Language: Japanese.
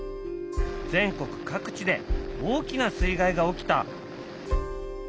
全国各地で大きな水害が起きた。